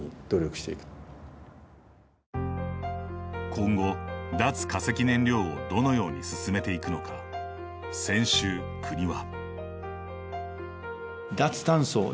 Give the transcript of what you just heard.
今後、脱化石燃料をどのように進めていくのか先週、国は。